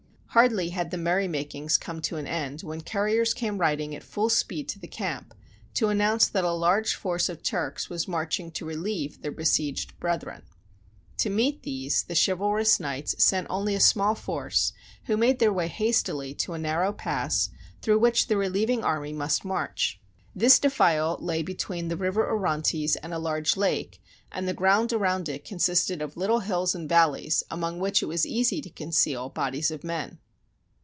Hardly had the merry makings come to an end when couriers came riding at full speed to the camp to announce that a large force of Turks was march ing to relieve their besieged brethren. To meet these the chivalrous knights sent only a small force, who made their way hastily to a narrow pass through which the relieving army must march. This defile THE BOOK OF FAMOUS SIEGES lay between the River Orontes and a large lake, and the ground around it consisted of little hills and valleys among which it was easy to conceal bodies of men.